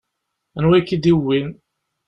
Anwa i k-id-iwwin?